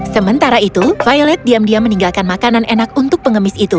sementara itu violet diam diam meninggalkan makanan enak untuk pengemis itu